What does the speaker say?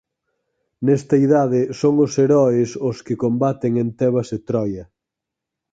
Nesta idade son os heroes os que combaten en Tebas e Troia.